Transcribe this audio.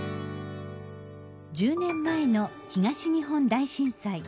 １０年前の東日本大震災。